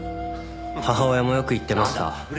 母親もよく言ってました。